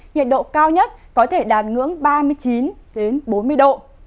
nhiệt độ cao nhất có thể đạt ngưỡng ba mươi chín bốn mươi độ